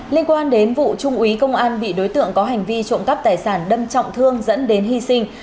liên quan đến vụ trung úy công an bị đối tượng có hành vi trộm cắp tài sản đâm trọng thương dẫn đến hy sinh